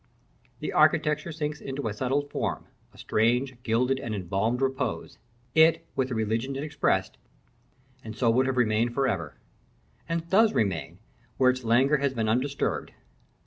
The architecture sinks into a settled form a strange, gilded, and embalmed repose: it, with the religion it expressed; and so would have remained for ever, so does remain, where its languor has been undisturbed.